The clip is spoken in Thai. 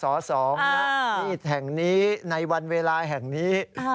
สอ๑รักสอ๒รัก๑แห่งนี้ในวันเวลาแห่งนี้